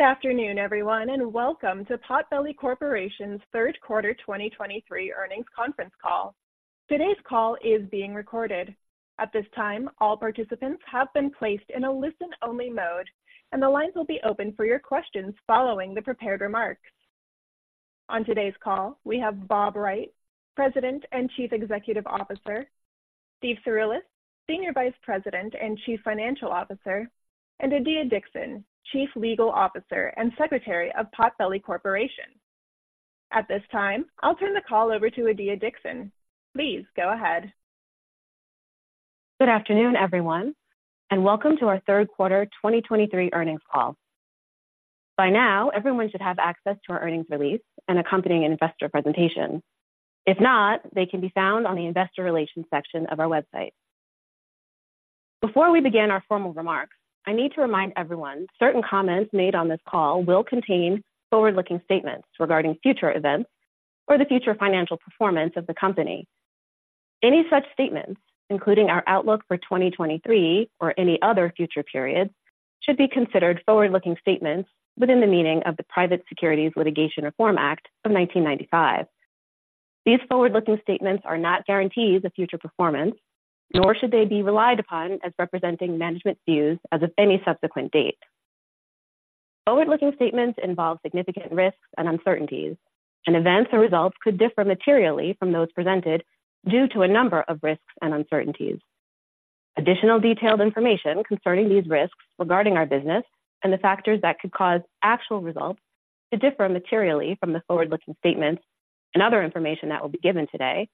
Good afternoon, everyone, and welcome to Potbelly Corporation's third quarter 2023 earnings conference call. Today's call is being recorded. At this time, all participants have been placed in a listen-only mode, and the lines will be open for your questions following the prepared remarks. On today's call, we have Bob Wright, President and Chief Executive Officer, Steven Cirulis, Senior Vice President and Chief Financial Officer, and Adiya Dixon, Chief Legal Officer and Secretary of Potbelly Corporation. At this time, I'll turn the call over to Adiya Dixon. Please go ahead. Good afternoon, everyone, and welcome to our third quarter 2023 earnings call. By now, everyone should have access to our earnings release and accompanying investor presentation. If not, they can be found on the investor relations section of our website. Before we begin our formal remarks, I need to remind everyone, certain comments made on this call will contain forward-looking statements regarding future events or the future financial performance of the company. Any such statements, including our outlook for 2023 or any other future periods, should be considered forward-looking statements within the meaning of the Private Securities Litigation Reform Act of 1995. These forward-looking statements are not guarantees of future performance, nor should they be relied upon as representing management views as of any subsequent date. Forward-looking statements involve significant risks and uncertainties, and events or results could differ materially from those presented due to a number of risks and uncertainties. Additional detailed information concerning these risks regarding our business and the factors that could cause actual results to differ materially from the forward-looking statements and other information that will be given today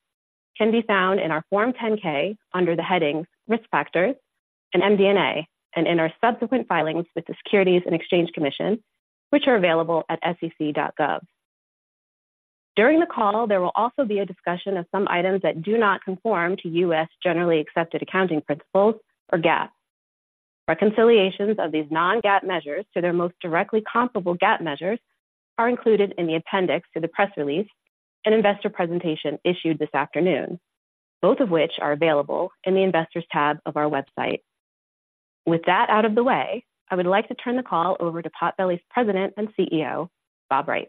can be found in our Form 10-K under the headings Risk Factors and MD&A, and in our subsequent filings with the Securities and Exchange Commission, which are available at sec.gov. During the call, there will also be a discussion of some items that do not conform to U.S. generally accepted accounting principles, or GAAP. Reconciliations of these non-GAAP measures to their most directly comparable GAAP measures are included in the appendix to the press release and investor presentation issued this afternoon, both of which are available in the Investors tab of our website. With that out of the way, I would like to turn the call over to Potbelly's President and CEO, Bob Wright.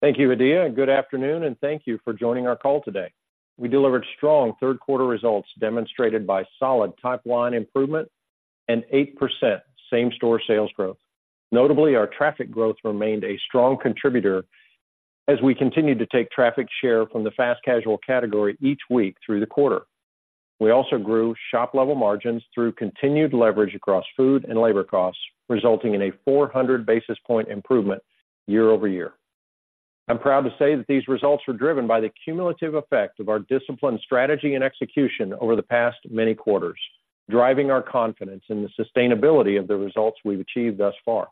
Thank you, Adiya, and good afternoon, and thank you for joining our call today. We delivered strong third quarter results demonstrated by solid top-line improvement and 8% same-store sales growth. Notably, our traffic growth remained a strong contributor as we continued to take traffic share from the fast casual category each week through the quarter. We also grew shop-level margins through continued leverage across food and labor costs, resulting in a 400 basis point improvement year-over-year. I'm proud to say that these results were driven by the cumulative effect of our disciplined strategy and execution over the past many quarters, driving our confidence in the sustainability of the results we've achieved thus far.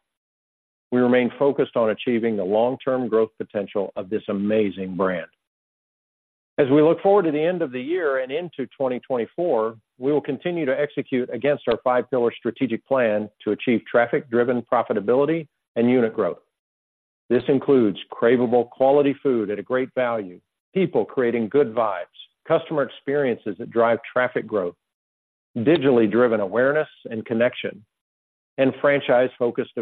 We remain focused on achieving the long-term growth potential of this amazing brand. As we look forward to the end of the year and into 2024, we will continue to execute against our Five-Pillar Strategic Plan to achieve traffic-driven profitability and unit growth. This includes craveable quality food at a great value, people creating good vibes, customer experiences that drive traffic growth, digitally driven awareness and connection, and franchise-focused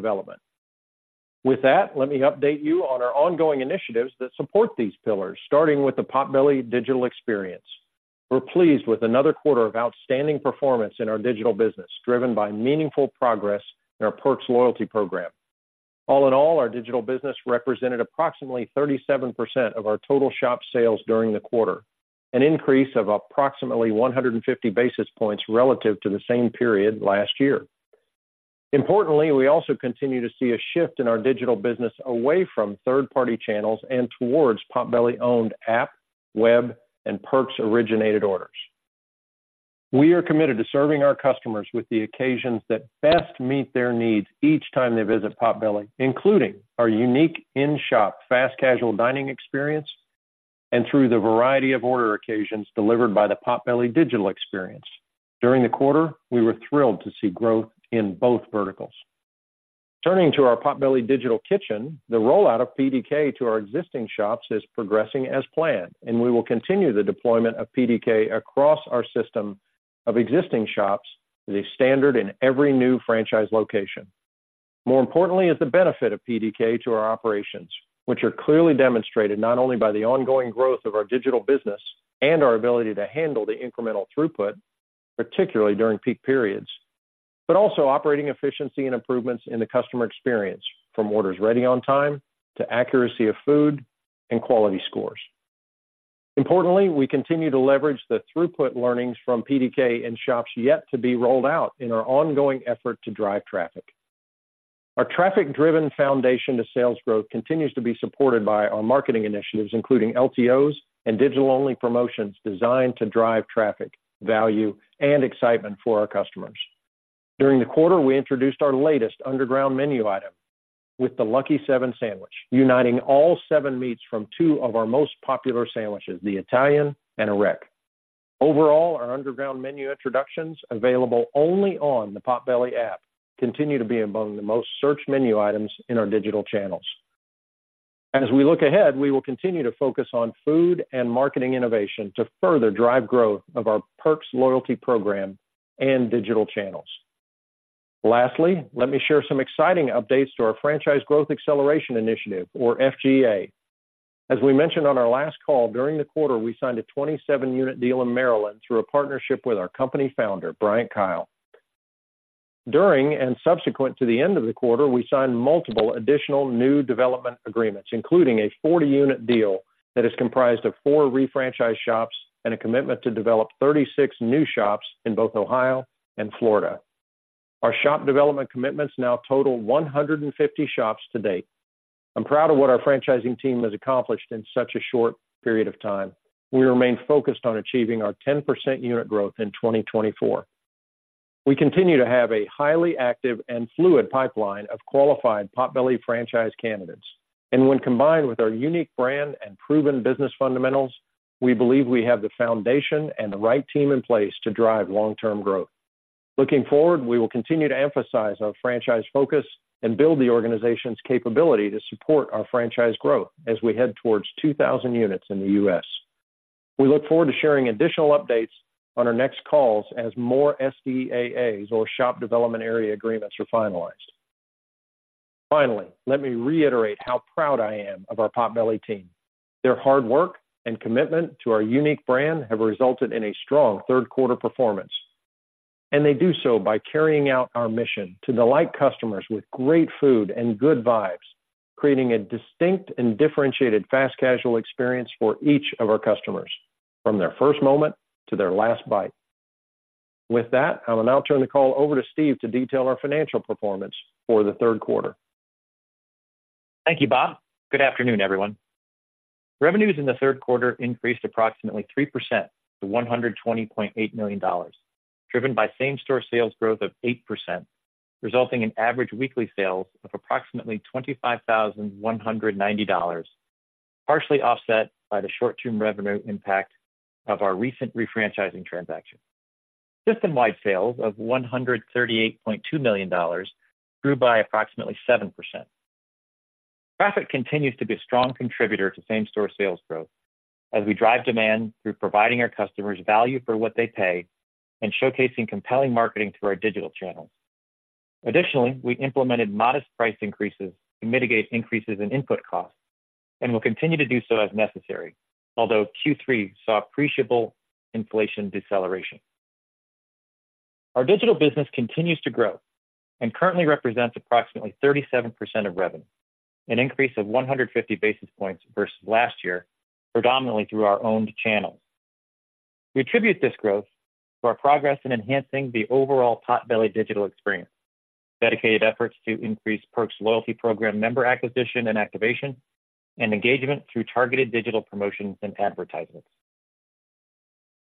development. With that, let me update you on our ongoing initiatives that support these pillars, starting with the Potbelly digital experience. We're pleased with another quarter of outstanding performance in our digital business, driven by meaningful progress in our Perks loyalty program. All in all, our digital business represented approximately 37% of our total shop sales during the quarter, an increase of approximately 150 basis points relative to the same period last year. Importantly, we also continue to see a shift in our digital business away from third-party channels and towards Potbelly-owned app, web, and Perks-originated orders. We are committed to serving our customers with the occasions that best meet their needs each time they visit Potbelly, including our unique in-shop fast casual dining experience and through the variety of order occasions delivered by the Potbelly digital experience. During the quarter, we were thrilled to see growth in both verticals. Turning to our Potbelly Digital Kitchen, the rollout of PDK to our existing shops is progressing as planned, and we will continue the deployment of PDK across our system of existing shops as a standard in every new franchise location. More importantly is the benefit of PDK to our operations, which are clearly demonstrated not only by the ongoing growth of our digital business and our ability to handle the incremental throughput, particularly during peak periods, but also operating efficiency and improvements in the customer experience, from orders ready on time to accuracy of food and quality scores. Importantly, we continue to leverage the throughput learnings from PDK in shops yet to be rolled out in our ongoing effort to drive traffic. Our traffic-driven foundation to sales growth continues to be supported by our marketing initiatives, including LTOs and digital-only promotions designed to drive traffic, value, and excitement for our customers. During the quarter, we introduced our latest Underground Menu item with the Lucky 7 Sandwich, uniting all seven meats from two of our most popular sandwiches, the Italian and A Wreck. Overall, our Underground Menu introductions, available only on the Potbelly app, continue to be among the most searched menu items in our digital channels.... As we look ahead, we will continue to focus on food and marketing innovation to further drive growth of our Perks loyalty program and digital channels. Lastly, let me share some exciting updates to our franchise growth acceleration initiative, or FGA. As we mentioned on our last call, during the quarter, we signed a 27-unit deal in Maryland through a partnership with our company founder, Bryant Keil. During and subsequent to the end of the quarter, we signed multiple additional new development agreements, including a 40-unit deal that is comprised of 4 refranchised shops and a commitment to develop 36 new shops in both Ohio and Florida. Our shop development commitments now total 150 shops to date. I'm proud of what our franchising team has accomplished in such a short period of time. We remain focused on achieving our 10% unit growth in 2024. We continue to have a highly active and fluid pipeline of qualified Potbelly franchise candidates, and when combined with our unique brand and proven business fundamentals, we believe we have the foundation and the right team in place to drive long-term growth. Looking forward, we will continue to emphasize our franchise focus and build the organization's capability to support our franchise growth as we head towards 2,000 units in the U.S. We look forward to sharing additional updates on our next calls as more SDAAs or shop development area agreements are finalized. Finally, let me reiterate how proud I am of our Potbelly team. Their hard work and commitment to our unique brand have resulted in a strong third quarter performance, and they do so by carrying out our mission: to delight customers with great food and good vibes, creating a distinct and differentiated fast casual experience for each of our customers, from their first moment to their last bite. With that, I will now turn the call over to Steve to detail our financial performance for the third quarter. Thank you, Bob. Good afternoon, everyone. Revenues in the third quarter increased approximately 3% to $120.8 million, driven by same-store sales growth of 8%, resulting in average weekly sales of approximately $25,190, partially offset by the short-term revenue impact of our recent refranchising transaction. System-wide sales of $138.2 million grew by approximately 7%. Traffic continues to be a strong contributor to same-store sales growth as we drive demand through providing our customers value for what they pay and showcasing compelling marketing through our digital channels. Additionally, we implemented modest price increases to mitigate increases in input costs and will continue to do so as necessary, although Q3 saw appreciable inflation deceleration. Our digital business continues to grow and currently represents approximately 37% of revenue, an increase of 150 basis points versus last year, predominantly through our owned channels. We attribute this growth to our progress in enhancing the overall Potbelly digital experience, dedicated efforts to increase Perks loyalty program member acquisition and activation, and engagement through targeted digital promotions and advertisements.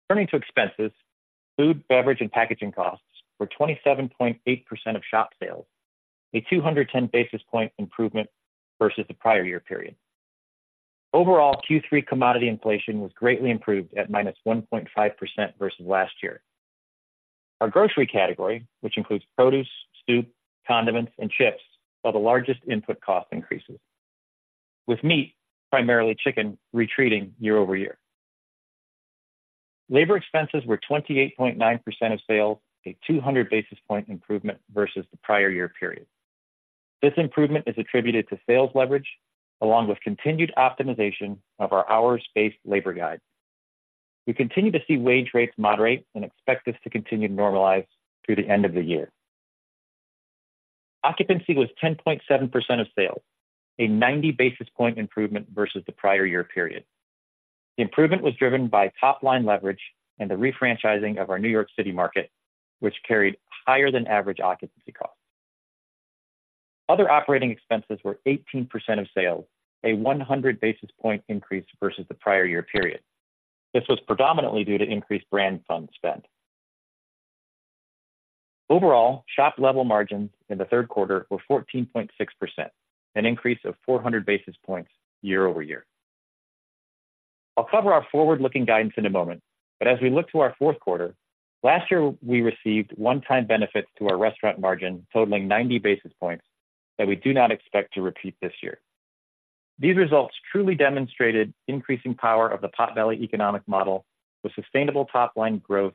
Turning to expenses, food, beverage, and packaging costs were 27.8% of shop sales, a 210 basis point improvement versus the prior year period. Overall, Q3 commodity inflation was greatly improved at -1.5% versus last year. Our grocery category, which includes produce, soup, condiments, and chips, saw the largest input cost increases, with meat, primarily chicken, retreating year-over-year. Labor expenses were 28.9% of sales, a 200 basis point improvement versus the prior year period. This improvement is attributed to sales leverage, along with continued optimization of our hours-based labor guide. We continue to see wage rates moderate and expect this to continue to normalize through the end of the year. Occupancy was 10.7% of sales, a 90 basis point improvement versus the prior year period. The improvement was driven by top-line leverage and the refranchising of our New York City market, which carried higher than average occupancy costs. Other operating expenses were 18% of sales, a 100 basis point increase versus the prior year period. This was predominantly due to increased brand fund spend. Overall, shop level margins in the third quarter were 14.6%, an increase of 400 basis points year-over-year. I'll cover our forward-looking guidance in a moment, but as we look to our fourth quarter, last year, we received one-time benefits to our restaurant margin totaling 90 basis points that we do not expect to repeat this year. These results truly demonstrated increasing power of the Potbelly economic model with sustainable top-line growth,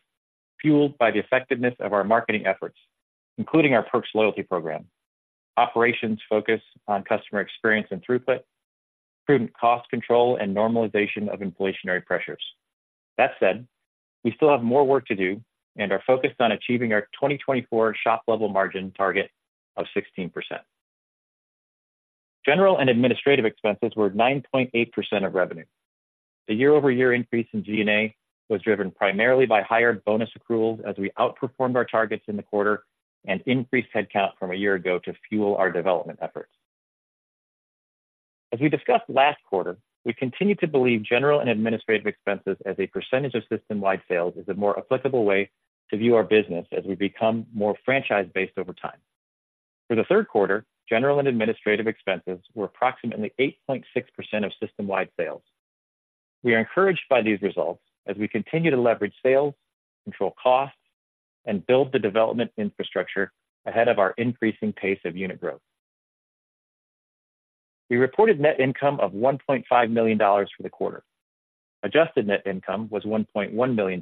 fueled by the effectiveness of our marketing efforts, including our Perks loyalty program, operations focused on customer experience and throughput, prudent cost control, and normalization of inflationary pressures. That said, we still have more work to do and are focused on achieving our 2024 shop level margin target of 16%. General and administrative expenses were 9.8% of revenue. The year-over-year increase in G&A was driven primarily by higher bonus accruals as we outperformed our targets in the quarter and increased headcount from a year ago to fuel our development efforts. As we discussed last quarter, we continue to believe general and administrative expenses as a percentage of system-wide sales is a more applicable way to view our business as we become more franchise-based over time. For the third quarter, general and administrative expenses were approximately 8.6% of system-wide sales. We are encouraged by these results as we continue to leverage sales, control costs, and build the development infrastructure ahead of our increasing pace of unit growth. We reported net income of $1.5 million for the quarter. Adjusted net income was $1.1 million,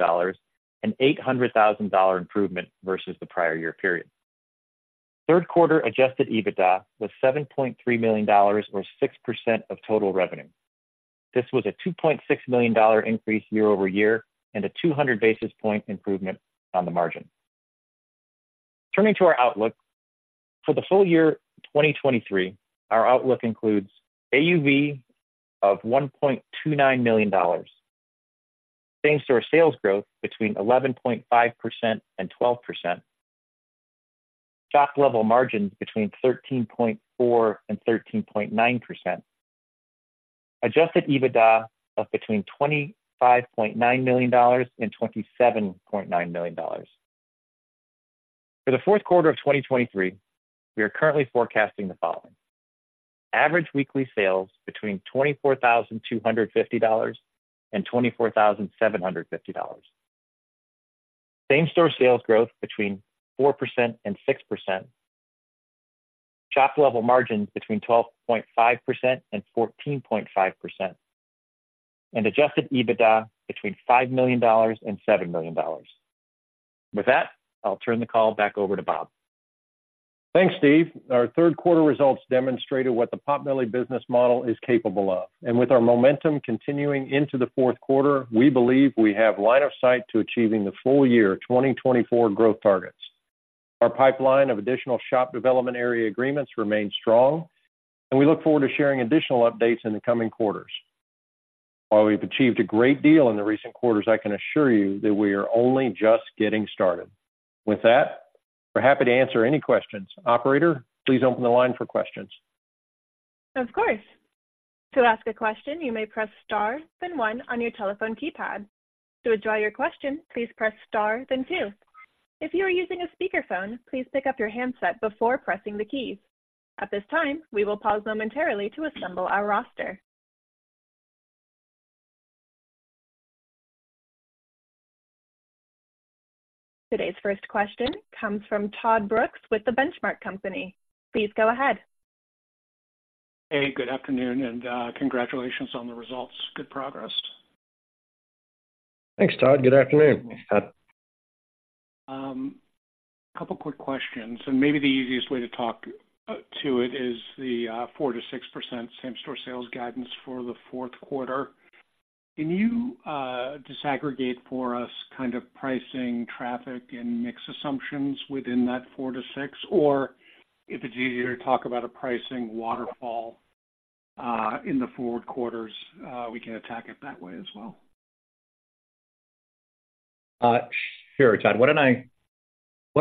an $800,000 improvement versus the prior year period. Third quarter adjusted EBITDA was $7.3 million, or 6% of total revenue. This was a $2.6 million increase year-over-year and a 200 basis point improvement on the margin. Turning to our outlook. For the full year 2023, our outlook includes AUV of $1.29 million, same-store sales growth between 11.5% and 12%, shop-level margins between 13.4% and 13.9%, adjusted EBITDA of between $25.9 million and $27.9 million. For the fourth quarter of 2023, we are currently forecasting the following: average weekly sales between $24,250 and $24,750, same-store sales growth between 4% and 6%, shop-level margins between 12.5% and 14.5%, and adjusted EBITDA between $5 million and $7 million. With that, I'll turn the call back over to Bob. Thanks, Steve. Our third quarter results demonstrated what the Potbelly business model is capable of, and with our momentum continuing into the fourth quarter, we believe we have line of sight to achieving the full year 2024 growth targets. Our pipeline of additional shop development area agreements remains strong, and we look forward to sharing additional updates in the coming quarters. While we've achieved a great deal in the recent quarters, I can assure you that we are only just getting started. With that, we're happy to answer any questions. Operator, please open the line for questions. Of course. To ask a question, you may press Star, then One on your telephone keypad. To withdraw your question, please press star, then two. If you are using a speakerphone, please pick up your handset before pressing the keys. At this time, we will pause momentarily to assemble our roster. Today's first question comes from Todd Brooks with The Benchmark Company. Please go ahead. Hey, good afternoon, and, congratulations on the results. Good progress. Thanks, Todd. Good afternoon. Thanks, Todd. A couple quick questions, and maybe the easiest way to talk to it is the 4%-6% Same-Store Sales guidance for the fourth quarter. Can you disaggregate for us kind of pricing, traffic, and mix assumptions within that 4%-6%? Or if it's easier to talk about a pricing waterfall in the forward quarters, we can attack it that way as well. Sure, Todd. Why don't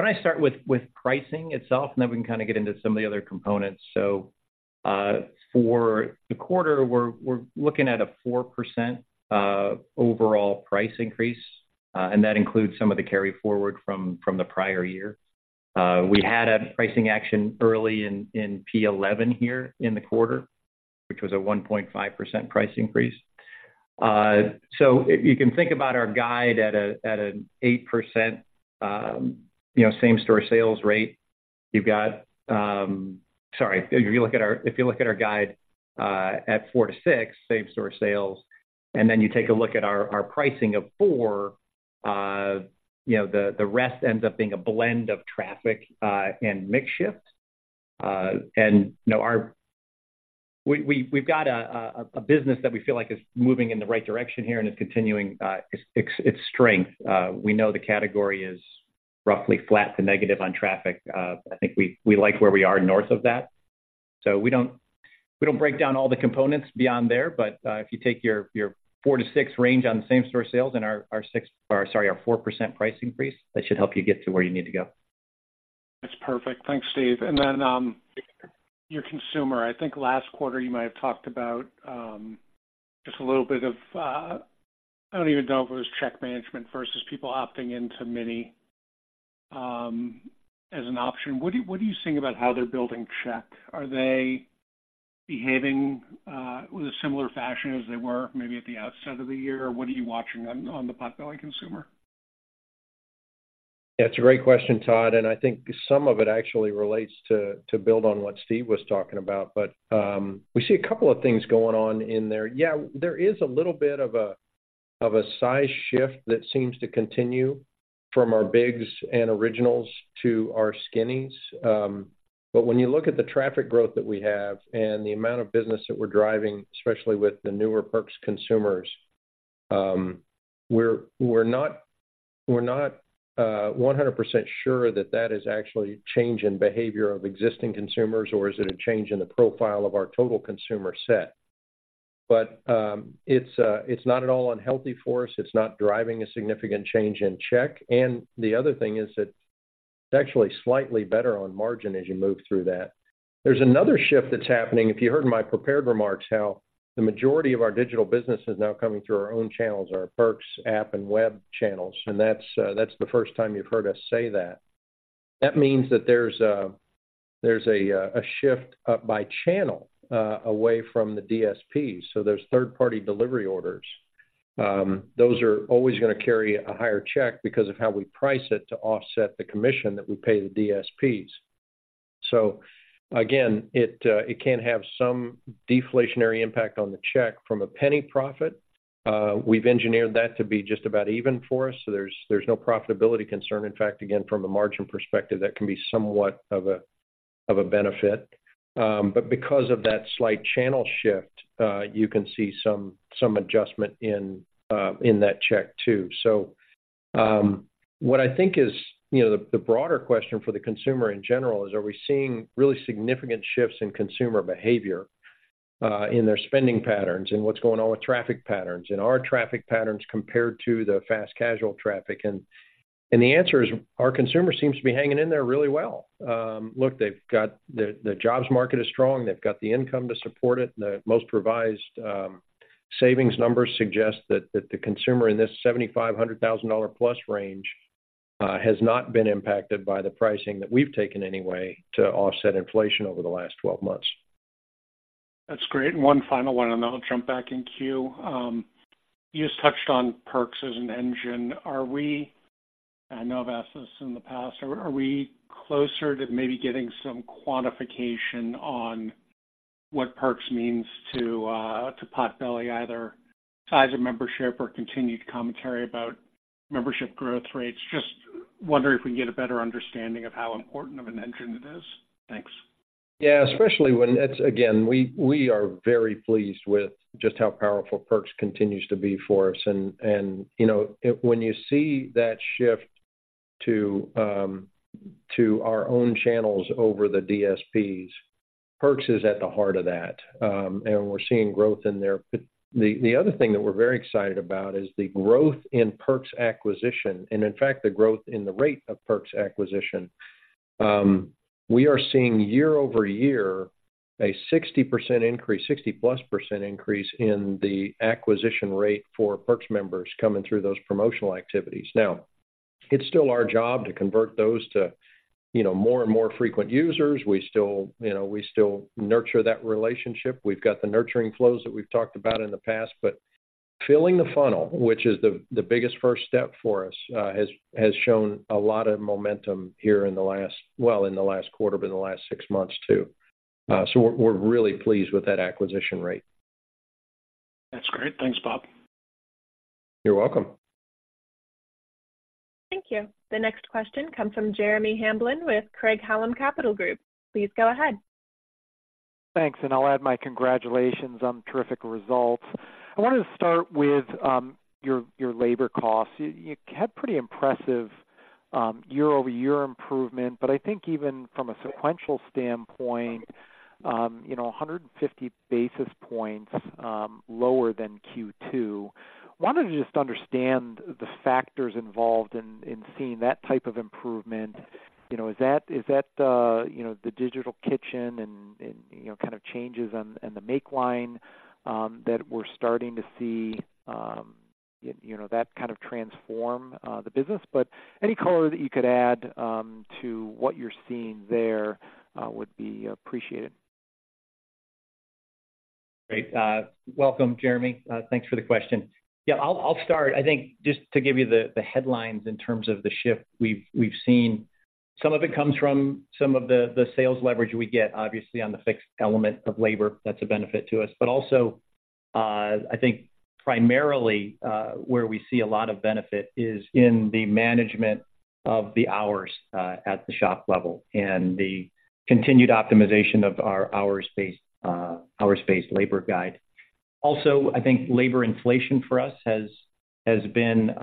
I start with pricing itself, and then we can kind of get into some of the other components. So, for the quarter, we're looking at a 4% overall price increase, and that includes some of the carry forward from the prior year. We had a pricing action early in P11 here in the quarter, which was a 1.5% price increase. So if you can think about our guide at an 8%, you know, same-store sales rate, you've got... Sorry, if you look at our—if you look at our guide, at 4%-6% same-store sales, and then you take a look at our pricing of 4%, you know, the rest ends up being a blend of traffic and mix shifts. You know, we've got a business that we feel like is moving in the right direction here and is continuing its strength. We know the category is roughly flat to negative on traffic. I think we like where we are north of that. We don't break down all the components beyond there, but if you take your 4%-6% range on the same-store sales and our 4% price increase, that should help you get to where you need to go. That's perfect. Thanks, Steve. And then, your consumer, I think last quarter, you might have talked about, just a little bit of, I don't even know if it was check management versus people opting into mini, as an option. What do you, what do you think about how they're building check? Are they behaving, with a similar fashion as they were maybe at the outset of the year? What are you watching on, on the Potbelly consumer? Yeah, it's a great question, Todd, and I think some of it actually relates to build on what Steve was talking about. But we see a couple of things going on in there. Yeah, there is a little bit of a size shift that seems to continue from our Bigs and Originals to our Skinnies. But when you look at the traffic growth that we have and the amount of business that we're driving, especially with the newer Perks consumers, we're not 100% sure that that is actually change in behavior of existing consumers or is it a change in the profile of our total consumer set. But it's not at all unhealthy for us. It's not driving a significant change in check, and the other thing is that it's actually slightly better on margin as you move through that. There's another shift that's happening. If you heard in my prepared remarks, how the majority of our digital business is now coming through our own channels, our Perks app and web channels, and that's the first time you've heard us say that. That means that there's a shift up by channel away from the DSP. So there's third-party delivery orders. Those are always gonna carry a higher check because of how we price it to offset the commission that we pay the DSPs. So again, it can have some deflationary impact on the check from a penny profit. We've engineered that to be just about even for us, so there's no profitability concern. In fact, again, from a margin perspective, that can be somewhat of a benefit. But because of that slight channel shift, you can see some adjustment in that check, too. So, what I think is, you know, the broader question for the consumer in general is, are we seeing really significant shifts in consumer behavior in their spending patterns and what's going on with traffic patterns, in our traffic patterns compared to the fast casual traffic? And the answer is, our consumer seems to be hanging in there really well. Look, they've got the jobs market is strong. They've got the income to support it. The most revised savings numbers suggest that the consumer in this $75,000-$100,000+ range has not been impacted by the pricing that we've taken anyway, to offset inflation over the last twelve months. That's great. And one final one, and then I'll jump back in queue. You just touched on Perks as an engine. Are we... I know I've asked this in the past, are we closer to maybe getting some quantification on what Perks means to, to Potbelly, either size of membership or continued commentary about membership growth rates? Just wondering if we can get a better understanding of how important of an engine it is. Thanks. Yeah, especially when it's, again, we are very pleased with just how powerful Perks continues to be for us. And, you know, when you see that shift to, to our own channels over the DSPs, Perks is at the heart of that, and we're seeing growth in there. But the other thing that we're very excited about is the growth in Perks acquisition, and in fact, the growth in the rate of Perks acquisition. We are seeing year-over-year, a 60% increase, 60%+ increase in the acquisition rate for Perks members coming through those promotional activities. Now, it's still our job to convert those to, you know, more and more frequent users. We still, you know, we still nurture that relationship. We've got the nurturing flows that we've talked about in the past, but filling the funnel, which is the biggest first step for us, has shown a lot of momentum here in the last, well, in the last quarter, but in the last six months, too. So we're really pleased with that acquisition rate. That's great. Thanks, Bob. You're welcome. Thank you. The next question comes from Jeremy Hamblin with Craig-Hallum Capital Group. Please go ahead. Thanks, and I'll add my congratulations on terrific results. I wanted to start with your labor costs. You had pretty impressive year-over-year improvement, but I think even from a sequential standpoint, you know, 150 basis points lower than Q2. Wanted to just understand the factors involved in seeing that type of improvement. You know, is that, you know, the digital kitchen and, you know, kind of changes on, in the make line, that we're starting to see, you know, that kind of transform the business? But any color that you could add to what you're seeing there would be appreciated. Great. Welcome, Jeremy. Thanks for the question. Yeah, I'll start. I think just to give you the headlines in terms of the shift we've seen, some of it comes from some of the sales leverage we get, obviously, on the fixed element of labor. That's a benefit to us. But also, I think primarily, where we see a lot of benefit is in the management of the hours at the shop level and the continued optimization of our hours-based labor guide. Also, I think labor inflation for us has been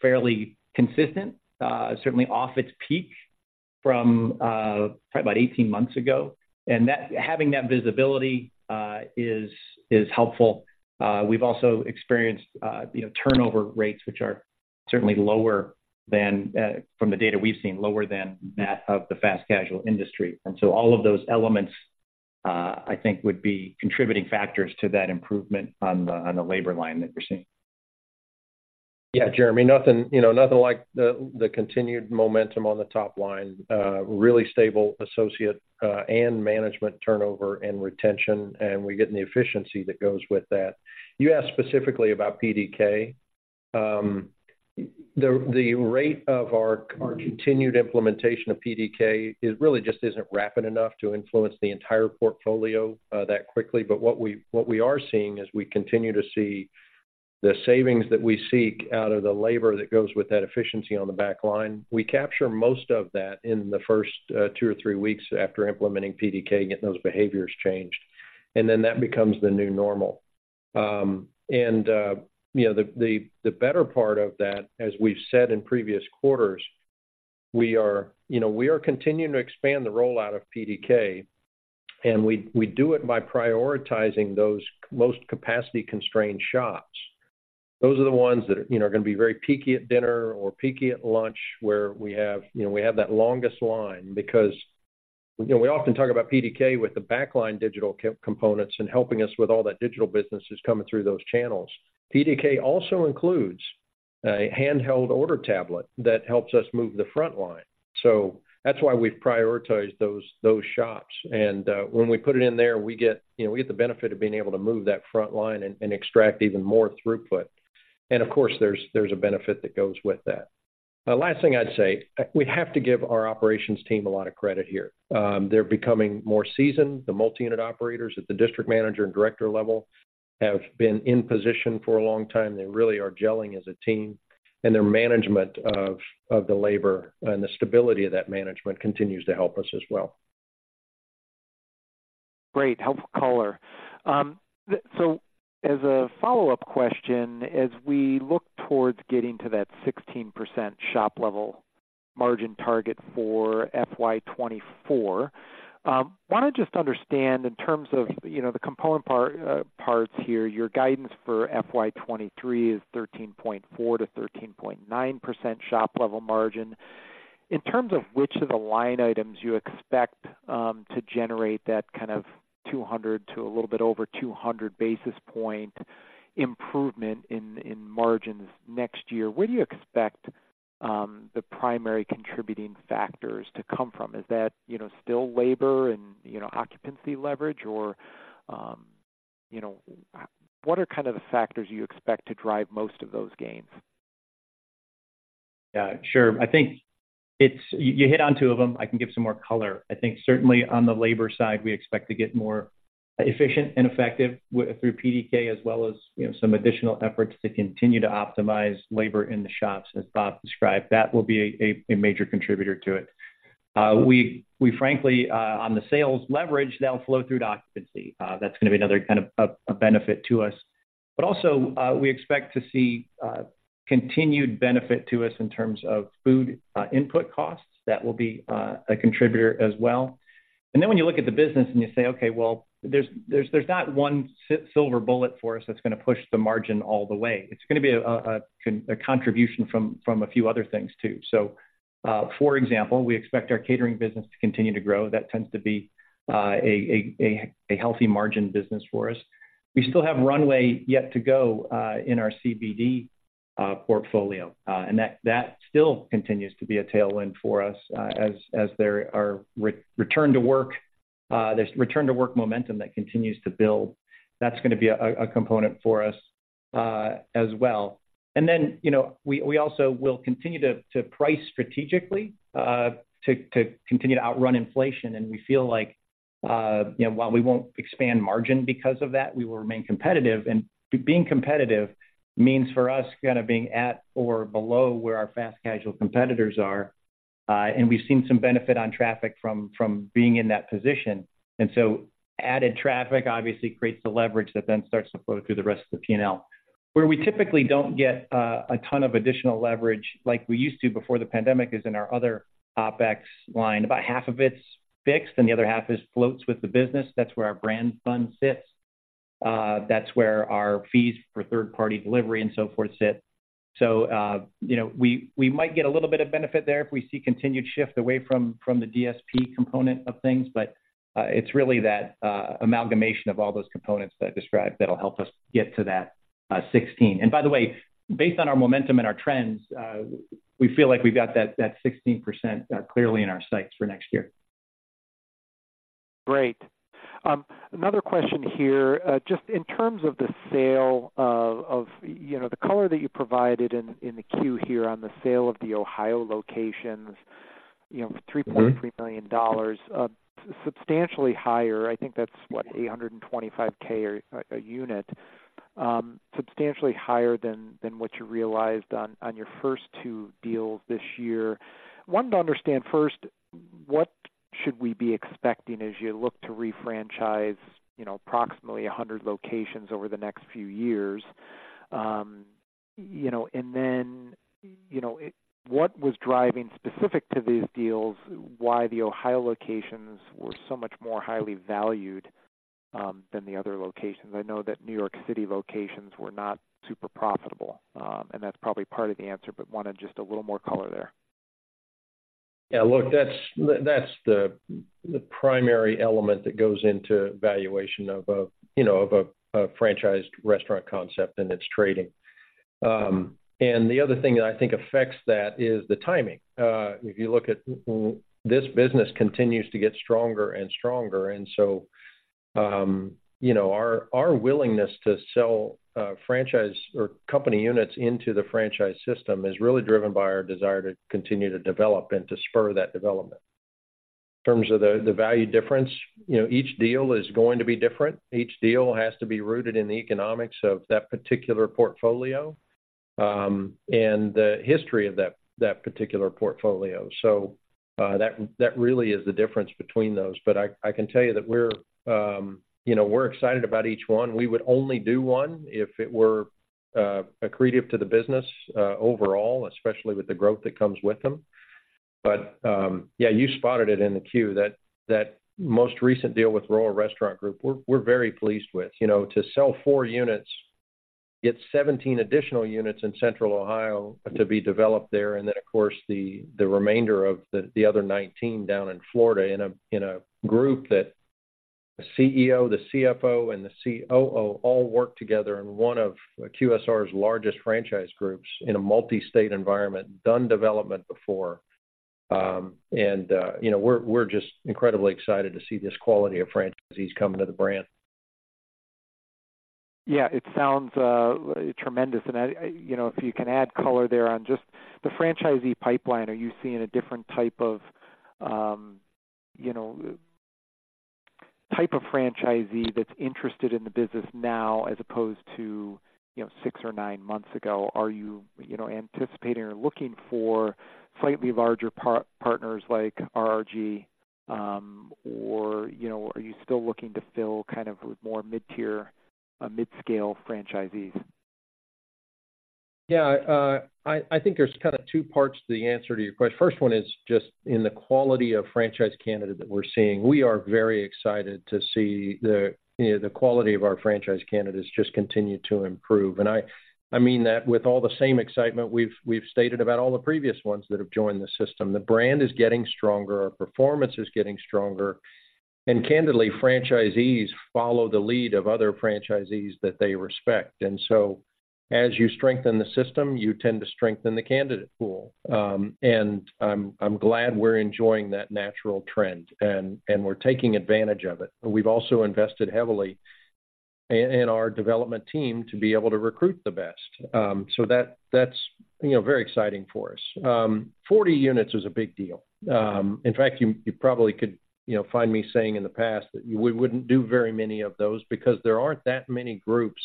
fairly consistent, certainly off its peak from probably about 18 months ago. And that, having that visibility, is helpful. We've also experienced, you know, turnover rates, which are certainly lower than, from the data we've seen, lower than that of the fast casual industry. And so all of those elements, I think would be contributing factors to that improvement on the labor line that we're seeing. Yeah, Jeremy, nothing, you know, nothing like the continued momentum on the top line. Really stable associate and management turnover and retention, and we're getting the efficiency that goes with that. You asked specifically about PDK. The rate of our continued implementation of PDK really just isn't rapid enough to influence the entire portfolio that quickly. But what we are seeing as we continue to see the savings that we seek out of the labor that goes with that efficiency on the back line, we capture most of that in the first two or three weeks after implementing PDK, getting those behaviors changed, and then that becomes the new normal. You know, the better part of that, as we've said in previous quarters, we are continuing to expand the rollout of PDK, and we do it by prioritizing those most capacity-constrained shops. Those are the ones that, you know, are gonna be very peaky at dinner or peaky at lunch, where we have that longest line. You know, we often talk about PDK with the backline digital components and helping us with all that digital business that's coming through those channels. PDK also includes a handheld order tablet that helps us move the front line. So that's why we've prioritized those shops. And when we put it in there, we get the benefit of being able to move that front line and extract even more throughput. Of course, there's a benefit that goes with that. The last thing I'd say, we have to give our operations team a lot of credit here. They're becoming more seasoned. The multi-unit operators at the district manager and director level have been in position for a long time. They really are gelling as a team, and their management of the labor and the stability of that management continues to help us as well. Great, helpful color. So as a follow-up question, as we look towards getting to that 16% shop-level margin target for FY 2024, want to just understand in terms of, you know, the component part, parts here, your guidance for FY 2023 is 13.4%-13.9% shop-level margin. In terms of which of the line items you expect, to generate that kind of 200 to a little bit over 200 basis point improvement in, in margins next year, where do you expect, the primary contributing factors to come from? Is that, you know, still labor and, you know, occupancy leverage? Or, you know, what are kind of the factors you expect to drive most of those gains? Yeah, sure. I think it's you, you hit on two of them. I can give some more color. I think certainly on the labor side, we expect to get more efficient and effective through PDK, as well as, you know, some additional efforts to continue to optimize labor in the shops, as Bob described. That will be a major contributor to it. We frankly on the sales leverage, that'll flow through to occupancy. That's gonna be another kind of a benefit to us. But also, we expect to see continued benefit to us in terms of food input costs. That will be a contributor as well. And then when you look at the business and you say, okay, well, there's not one single silver bullet for us that's gonna push the margin all the way. It's gonna be a contribution from a few other things too. So, for example, we expect our catering business to continue to grow. That tends to be a healthy margin business for us. We still have runway yet to go in our CBD portfolio, and that still continues to be a tailwind for us, as there are return to work, there's return to work momentum that continues to build. That's gonna be a component for us, as well. And then, you know, we also will continue to price strategically, to continue to outrun inflation, and we feel like, you know, while we won't expand margin because of that, we will remain competitive. Being competitive means for us kind of being at or below where our fast casual competitors are, and we've seen some benefit on traffic from, from being in that position. And so added traffic obviously creates the leverage that then starts to flow through the rest of the P&L. Where we typically don't get a ton of additional leverage like we used to before the pandemic, is in our other OpEx line. About half of it's fixed, and the other half is floats with the business. That's where our brand fund sits, that's where our fees for third-party delivery and so forth sit. So, you know, we might get a little bit of benefit there if we see continued shift away from the DSP component of things, but it's really that amalgamation of all those components that I described that'll help us get to that 16%. And by the way, based on our momentum and our trends, we feel like we've got that 16% clearly in our sights for next year. Great. Another question here. Just in terms of the sale of, of, you know, the color that you provided in, in the queue here on the sale of the Ohio locations, you know, $3.3 million, substantially higher. I think that's, what, $825,000 a unit, substantially higher than, than what you realized on, on your first two deals this year. Wanted to understand first, what should we be expecting as you look to refranchise, you know, approximately 100 locations over the next few years? You know, and then, what was driving specific to these deals, why the Ohio locations were so much more highly valued than the other locations? I know that New York City locations were not super profitable, and that's probably part of the answer, but wanted just a little more color there. Yeah, look, that's, that's the primary element that goes into valuation of a, you know, of a franchised restaurant concept and its trading. And the other thing that I think affects that is the timing. If you look at... This business continues to get stronger and stronger, and so, you know, our willingness to sell franchise or company units into the franchise system is really driven by our desire to continue to develop and to spur that development. In terms of the value difference, you know, each deal is going to be different. Each deal has to be rooted in the economics of that particular portfolio, and the history of that particular portfolio. So, that really is the difference between those. But I can tell you that we're, you know, we're excited about each one. We would only do one if it were accretive to the business overall, especially with the growth that comes with them. But yeah, you spotted it in the Q, that most recent deal with Royal Restaurant Group, we're very pleased with. You know, to sell four units, get 17 additional units in Central Ohio to be developed there, and then, of course, the remainder of the other 19 down in Florida in a group that the CEO, the CFO, and the COO all work together in one of QSR's largest franchise groups in a multi-state environment, done development before. And you know, we're just incredibly excited to see this quality of franchisees coming to the brand. Yeah, it sounds tremendous. And I, you know, if you can add color there on just the franchisee pipeline, are you seeing a different type of, you know, type of franchisee that's interested in the business now as opposed to, you know, six or nine months ago? Are you, you know, anticipating or looking for slightly larger partners like RRG, or, you know, are you still looking to fill kind of with more mid-tier, mid-scale franchisees? Yeah, I think there's kind of two parts to the answer to your question. First one is just in the quality of franchise candidate that we're seeing. We are very excited to see the, you know, the quality of our franchise candidates just continue to improve. And I mean that with all the same excitement we've stated about all the previous ones that have joined the system. The brand is getting stronger, our performance is getting stronger, and candidly, franchisees follow the lead of other franchisees that they respect. And so as you strengthen the system, you tend to strengthen the candidate pool. And I'm glad we're enjoying that natural trend, and we're taking advantage of it. But we've also invested heavily in our development team to be able to recruit the best. So that, that's, you know, very exciting for us. Forty units is a big deal. In fact, you probably could, you know, find me saying in the past that we wouldn't do very many of those because there aren't that many groups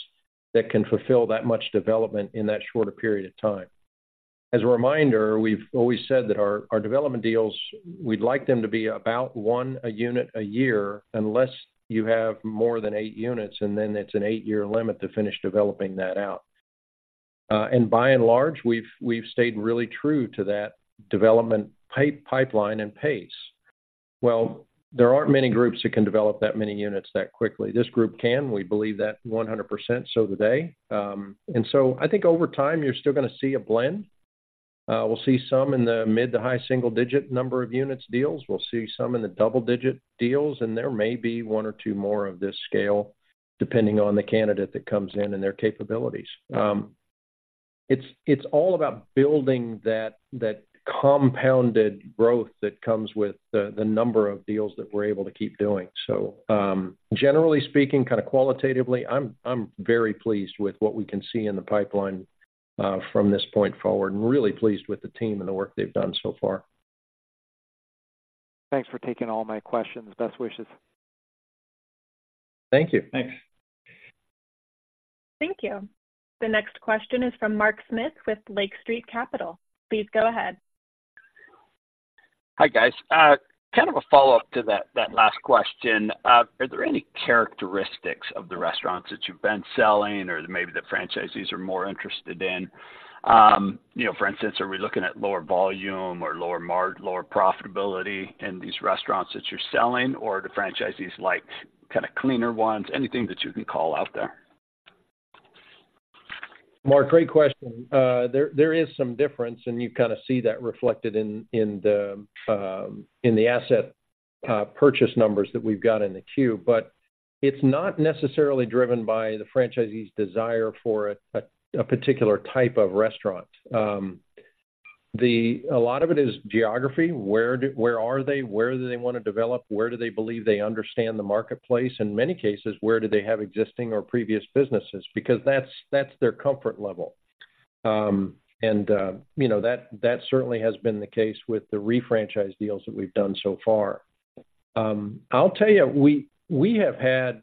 that can fulfill that much development in that short a period of time. As a reminder, we've always said that our development deals, we'd like them to be about one unit a year, unless you have more than eight units, and then it's an eight-year limit to finish developing that out. And by and large, we've stayed really true to that development pipeline and pace. Well, there aren't many groups that can develop that many units that quickly. This group can. We believe that 100%, so do they. And so I think over time, you're still gonna see a blend. We'll see some in the mid to high single-digit number of units deals. We'll see some in the double-digit deals, and there may be one or two more of this scale, depending on the candidate that comes in and their capabilities. It's all about building that compounded growth that comes with the number of deals that we're able to keep doing. So, generally speaking, kind of qualitatively, I'm very pleased with what we can see in the pipeline, from this point forward, and really pleased with the team and the work they've done so far. Thanks for taking all my questions. Best wishes. Thank you. Thanks. Thank you. The next question is from Mark Smith with Lake Street Capital. Please go ahead. Hi, guys. Kind of a follow-up to that last question. Are there any characteristics of the restaurants that you've been selling or maybe the franchisees are more interested in? You know, for instance, are we looking at lower volume or lower profitability in these restaurants that you're selling, or do franchisees like kind of cleaner ones? Anything that you can call out there? Mark, great question. There is some difference, and you kind of see that reflected in the asset purchase numbers that we've got in the queue. But it's not necessarily driven by the franchisee's desire for a particular type of restaurant. A lot of it is geography. Where are they? Where do they want to develop? Where do they believe they understand the marketplace? In many cases, where do they have existing or previous businesses? Because that's their comfort level. You know, that certainly has been the case with the refranchise deals that we've done so far. I'll tell you, we have had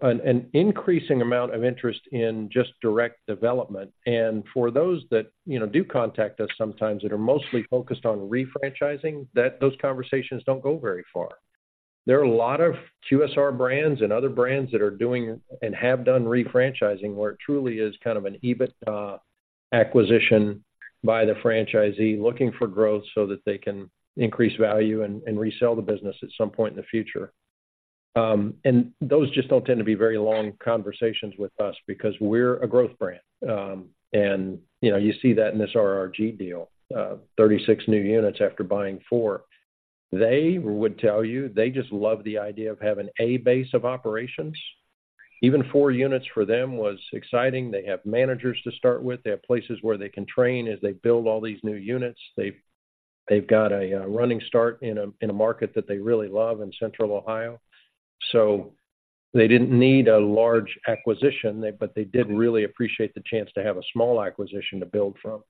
an increasing amount of interest in just direct development. For those that, you know, do contact us sometimes that are mostly focused on refranchising, those conversations don't go very far. There are a lot of QSR brands and other brands that are doing and have done refranchising, where it truly is kind of an EBITDA acquisition by the franchisee looking for growth so that they can increase value and resell the business at some point in the future. Those just don't tend to be very long conversations with us because we're a growth brand. You know, you see that in this RRG deal, 36 new units after buying four. They would tell you they just love the idea of having a base of operations. Even four units for them was exciting. They have managers to start with. They have places where they can train as they build all these new units. They've got a running start in a market that they really love in Central Ohio. So they didn't need a large acquisition, but they did really appreciate the chance to have a small acquisition to build from.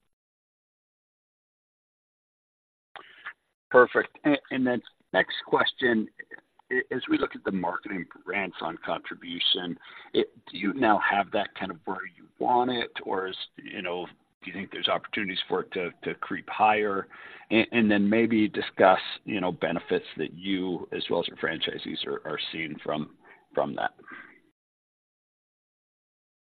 Perfect. And then next question. As we look at the marketing grants on contribution, do you now have that kind of where you want it, or is... You know, do you think there's opportunities for it to creep higher? And then maybe discuss, you know, benefits that you, as well as your franchisees are seeing from that.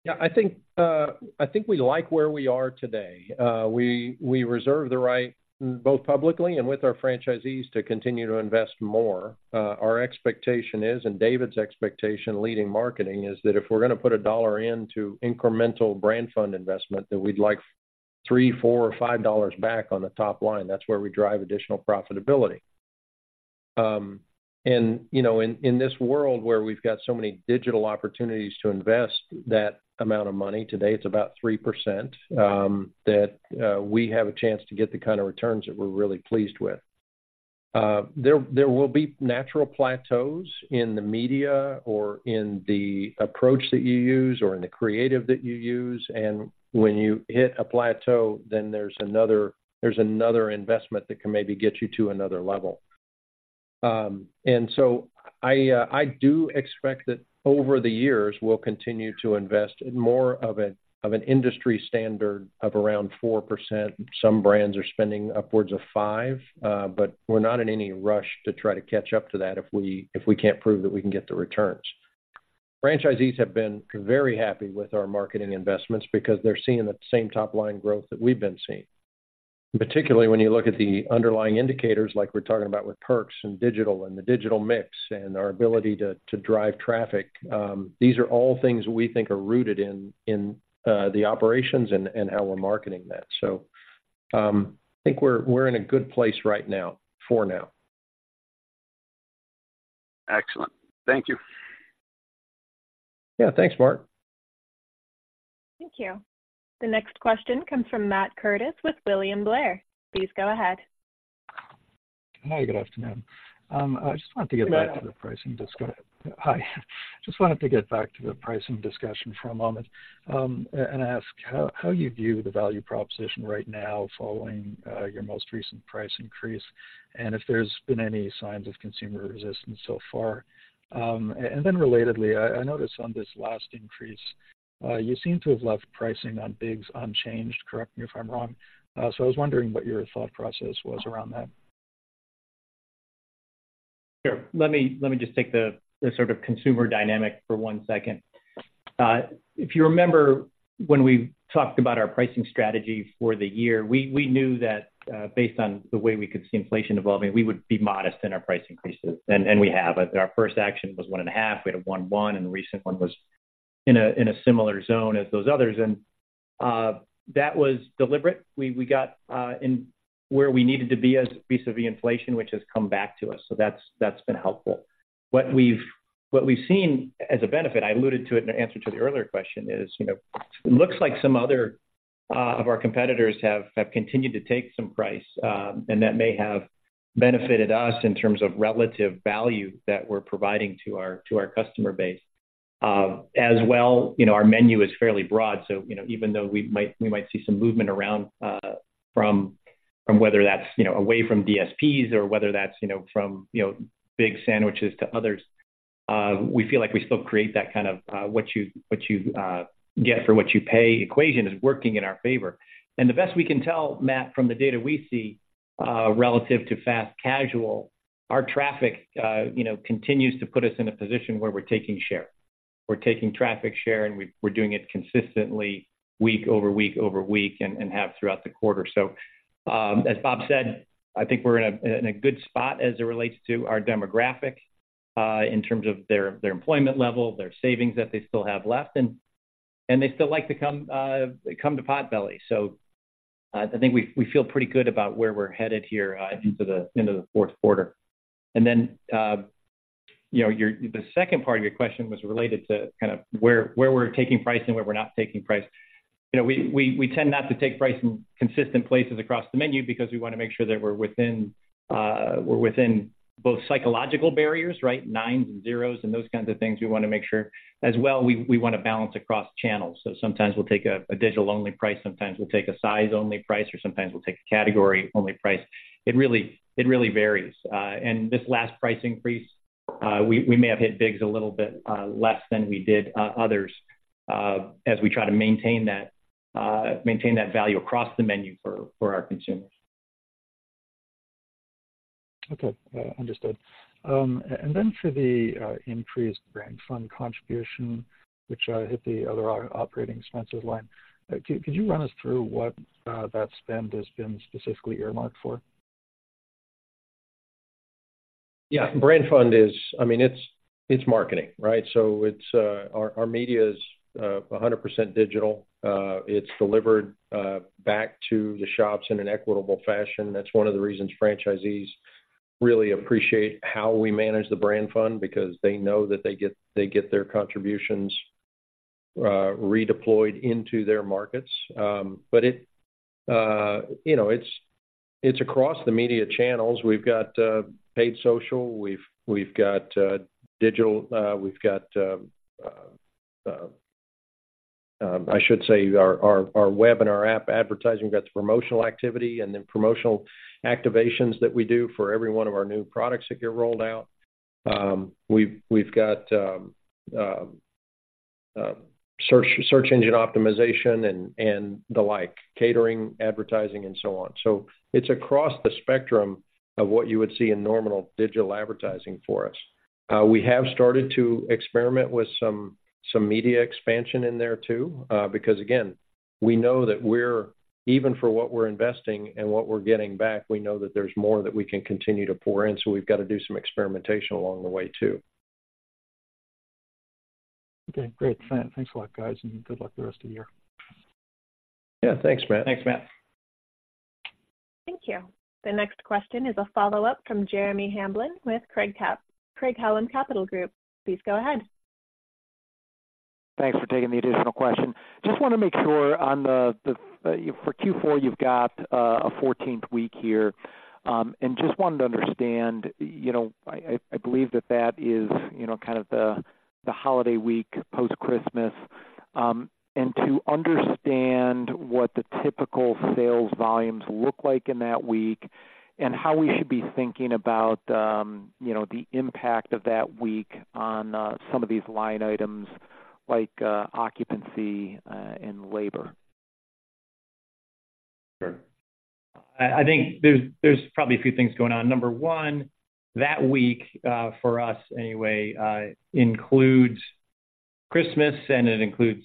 Yeah, I think, I think we like where we are today. We reserve the right, both publicly and with our franchisees, to continue to invest more. Our expectation is, and David's expectation leading marketing, is that if we're gonna put $1 into incremental brand fund investment, that we'd like$ 3, $4 or $5 back on the top line. That's where we drive additional profitability. And, you know, in this world where we've got so many digital opportunities to invest that amount of money, today, it's about 3%, that we have a chance to get the kind of returns that we're really pleased with. There will be natural plateaus in the media or in the approach that you use or in the creative that you use, and when you hit a plateau, then there's another investment that can maybe get you to another level. And so I do expect that over the years, we'll continue to invest more of an industry standard of around 4%. Some brands are spending upwards of 5, but we're not in any rush to try to catch up to that if we can't prove that we can get the returns. Franchisees have been very happy with our marketing investments because they're seeing the same top-line growth that we've been seeing. Particularly when you look at the underlying indicators, like we're talking about with perks and digital and the digital mix and our ability to drive traffic, these are all things we think are rooted in the operations and how we're marketing that. So, I think we're in a good place right now, for now. Excellent. Thank you. Yeah. Thanks, Mark. Thank you. The next question comes from Matt Curtis with William Blair. Please go ahead. Hi, good afternoon. I just wanted to get back- Hello. Hi. Just wanted to get back to the pricing discussion for a moment, and ask how you view the value proposition right now following your most recent price increase, and if there's been any signs of consumer resistance so far? And then relatedly, I noticed on this last increase, you seem to have left pricing on Bigs unchanged, correct me if I'm wrong. So I was wondering what your thought process was around that. Sure. Let me, let me just take the, the sort of consumer dynamic for one second. If you remember, when we talked about our pricing strategy for the year, we, we knew that, based on the way we could see inflation evolving, we would be modest in our price increases, and, and we have. Our first action was 1.5, we had a 1.1, and the recent one was in a, in a similar zone as those others, and, that was deliberate. We, we got, in where we needed to be as vis-à-vis inflation, which has come back to us. So that's, that's been helpful. What we've seen as a benefit, I alluded to it in answer to the earlier question, is, you know, it looks like some other of our competitors have continued to take some price, and that may have benefited us in terms of relative value that we're providing to our customer base. As well, you know, our menu is fairly broad, so, you know, even though we might see some movement around from whether that's, you know, away from DSPs or whether that's, you know, from big sandwiches to others, we feel like we still create that kind of what you get for what you pay equation is working in our favor. The best we can tell, Matt, from the data we see, relative to fast casual, our traffic, you know, continues to put us in a position where we're taking share. We're taking traffic share, and we're doing it consistently week over week over week and have throughout the quarter. So, as Bob said, I think we're in a good spot as it relates to our demographic, in terms of their employment level, their savings that they still have left, and they still like to come, they come to Potbelly. So, I think we feel pretty good about where we're headed here, into the end of the fourth quarter. Then, you know, the second part of your question was related to kind of where we're taking price and where we're not taking price. You know, we tend not to take price in consistent places across the menu because we want to make sure that we're within both psychological barriers, right, nines and zeros and those kinds of things. We want to make sure as well, we want to balance across channels. So sometimes we'll take a digital-only price, sometimes we'll take a size-only price, or sometimes we'll take a category-only price. It really varies. And this last price increase, we may have hit Bigs a little bit less than we did others, as we try to maintain that value across the menu for our consumers. Okay. Understood. And then for the increased brand fund contribution, which hit the other operating expenses line, could you run us through what that spend has been specifically earmarked for? Yeah. Brand fund is... I mean, it's marketing, right? So it's our media is 100% digital. It's delivered back to the shops in an equitable fashion. That's one of the reasons franchisees really appreciate how we manage the brand fund, because they know that they get their contributions redeployed into their markets. But you know, it's across the media channels. We've got paid social, we've got digital, we've got, I should say, our web and our app advertising. We've got the promotional activity and then promotional activations that we do for every one of our new products that get rolled out. We've got search engine optimization and the like, catering advertising, and so on. So it's across the spectrum of what you would see in normal digital advertising for us. We have started to experiment with some media expansion in there too, because again, we know that we're even for what we're investing and what we're getting back, we know that there's more that we can continue to pour in, so we've got to do some experimentation along the way too.... Okay, great. Thanks a lot, guys, and good luck the rest of the year. Yeah, thanks, Matt. Thanks, Matt. Thank you. The next question is a follow-up from Jeremy Hamblin with Craig-Hallum Capital Group. Please go ahead. Thanks for taking the additional question. Just want to make sure on the for Q4, you've got a fourteenth week here. And just wanted to understand, you know, I believe that that is, you know, kind of the holiday week, post-Christmas. And to understand what the typical sales volumes look like in that week and how we should be thinking about, you know, the impact of that week on some of these line items like occupancy and labor? Sure. I think there's probably a few things going on. Number one, that week, for us anyway, includes Christmas and it includes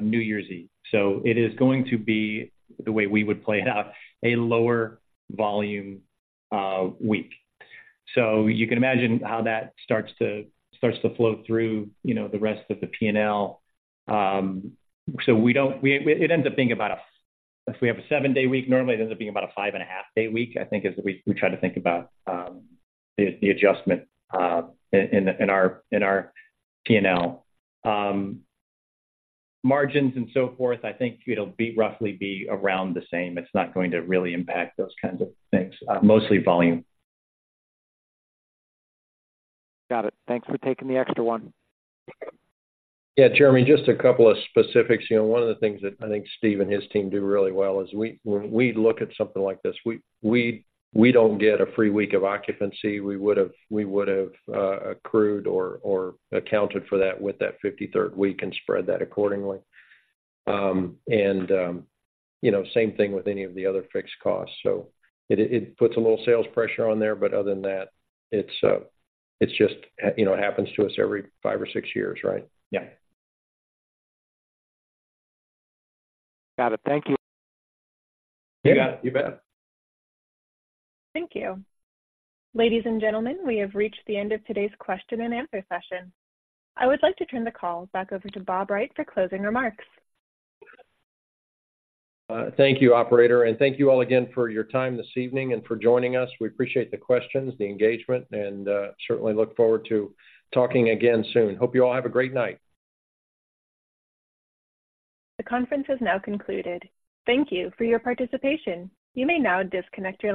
New Year's Eve. So it is going to be, the way we would play it out, a lower volume week. So you can imagine how that starts to flow through, you know, the rest of the P&L. It ends up being about a... If we have a seven-day week, normally it ends up being about a five-and-a-half day week, I think, as we try to think about the adjustment in our P&L. Margins and so forth, I think it'll be roughly around the same. It's not going to really impact those kinds of things. Mostly volume. Got it. Thanks for taking the extra one. Yeah, Jeremy, just a couple of specifics. You know, one of the things that I think Steve and his team do really well is when we look at something like this, we don't get a free week of occupancy. We would've, we would've accrued or accounted for that with that 53rd week and spread that accordingly. And you know, same thing with any of the other fixed costs. So it puts a little sales pressure on there, but other than that, it's just, you know, it happens to us every five or six years, right? Yeah. Got it. Thank you. You got it. You bet. Thank you. Ladies and gentlemen, we have reached the end of today's question and answer session. I would like to turn the call back over to Bob Wright for closing remarks. Thank you, operator, and thank you all again for your time this evening and for joining us. We appreciate the questions, the engagement, and certainly look forward to talking again soon. Hope you all have a great night. The conference has now concluded. Thank you for your participation. You may now disconnect your lines.